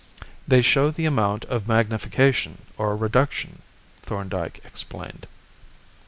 "They show the amount of magnification or reduction," Thorndyke explained.